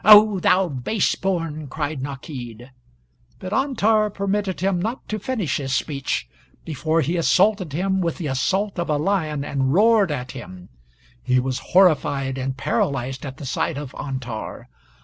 "O thou base born!" cried Nakid. But Antar permitted him not to finish his speech, before he assaulted him with the assault of a lion, and roared at him; he was horrified and paralyzed at the sight of Antar.